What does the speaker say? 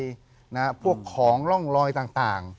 เพราะของร่องรอยต่าง